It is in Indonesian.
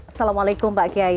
assalamualaikum pak kiai